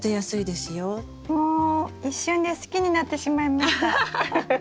もう一瞬で好きになってしまいました。